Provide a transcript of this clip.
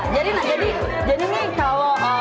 jadi ini kalau mungkin yang banyak yang butuh